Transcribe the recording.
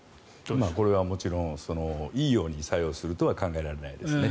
これはもちろんいいように作用するとは考えられないですね。